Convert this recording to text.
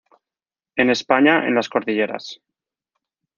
En España en las cordilleras.